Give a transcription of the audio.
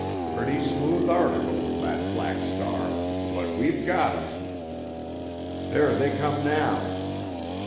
Pretty smooth article, that Black Star—but we've got him! There they come now!"